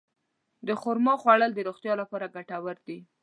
د خرما خوړل د روغتیا لپاره ګټور دي.